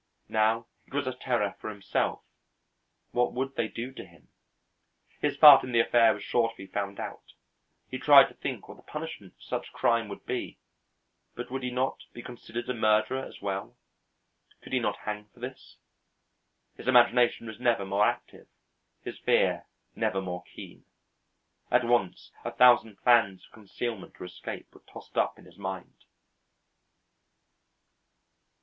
Now, it was a terror for himself. What would they do to him? His part in the affair was sure to be found out. He tried to think what the punishment for such crime would be; but would he not be considered a murderer as well? Could he not hang for this? His imagination was never more active; his fear never more keen. At once a thousand plans of concealment or escape were tossed up in his mind.